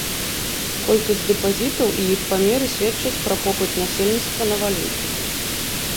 Колькасць дэпазітаў і іх памеры сведчаць пра попыт насельніцтва на валюту.